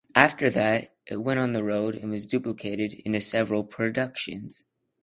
After that it went on the road and was duplicated into several productions.